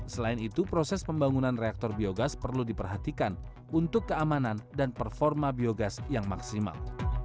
selain itu proses pembangunan reaktor biogas perlu diperhatikan untuk keamanan dan performa biogas yang maksimal